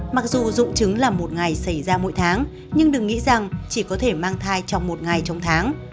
mặc dù dụng trứng là một ngày xảy ra mỗi tháng nhưng đừng nghĩ rằng chỉ có thể mang thai trong một ngày trong tháng